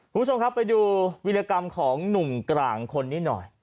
คุณผู้ชมครับไปดูวิรกรรมของหนุ่มกลางคนนี้หน่อย